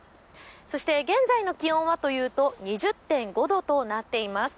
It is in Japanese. そして現在の気温は２０．５度となっています。